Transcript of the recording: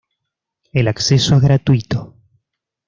El acceso es gratuito.